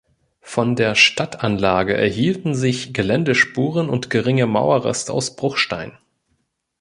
Von der Stadtanlage erhielten sich Geländespuren und geringe Mauerreste aus Bruchstein.